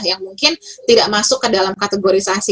yang mungkin tidak masuk ke dalam kategorisasi